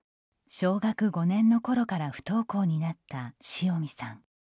小学５年のころから不登校になった塩見さん。